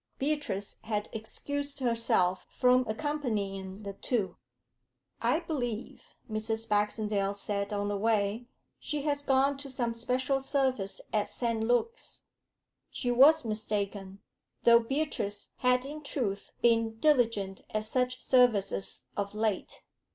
Beatrice had excused herself from accompanying the two. 'I believe,' Mrs. Baxendale said on the way, 'she has gone to some special service at St. Luke's.' She was mistaken, though Beatrice had in truth been diligent at such services of late.